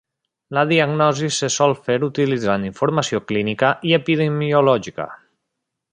La diagnosi se sol fer utilitzant informació clínica i epidemiològica.